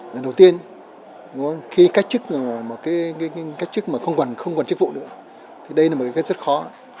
lần đầu tiên khi cách chức mà không còn chức vụ nữa thì đây là một cái rất khó